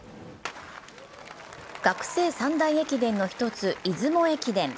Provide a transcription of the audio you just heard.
学生三大駅伝の一つ、出雲駅伝。